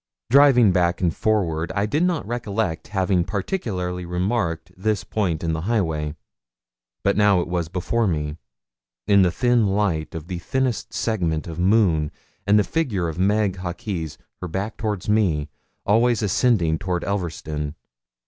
Driving back and forward, I did not recollect having particularly remarked this point in the highway; but now it was before me, in the thin light of the thinnest segment of moon, and the figure of Meg Hawkes, her back toward me, always ascending towards Elverston.